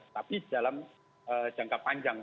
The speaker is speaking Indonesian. tapi dalam jangka panjang